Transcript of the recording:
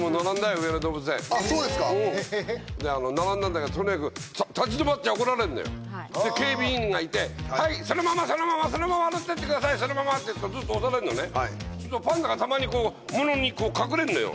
上野動物園あっそうですかうん並んだんだけどとにかくで警備員がいて「はいそのままそのまま」「そのまま歩ってってくださいそのまま」ってずっと押されんのねはいパンダがたまにこうものに隠れんのよ